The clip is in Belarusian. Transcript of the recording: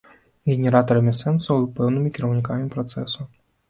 Генератарамі сэнсаў і пэўнымі кіраўнікамі працэсу.